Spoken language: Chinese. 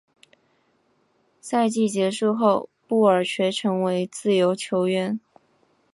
赛季结束后贝尔垂成为自由球员。